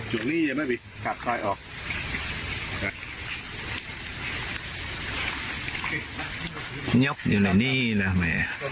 อยู่นี่หรือไม่มีตัดคลายออก